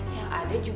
itu siapa lo